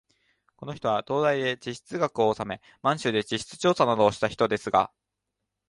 この人は東大で地質学をおさめ、満州で地質調査などをした人ですが、